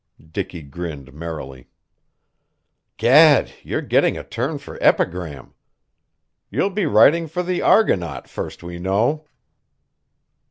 Dicky grinned merrily. "Gad, you're getting a turn for epigram! You'll be writing for the Argonaut, first we know."